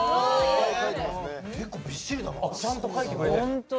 ちゃんと書いてくれてる。